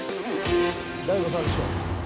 大悟さんでしょう。